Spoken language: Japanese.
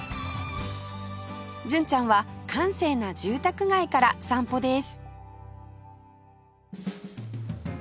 純ちゃんは閑静な住宅街から散歩です